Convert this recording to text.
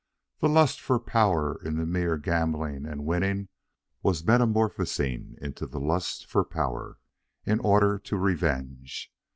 The lust for power in the mere gambling and winning was metamorphosing into the lust for power in order to revenge.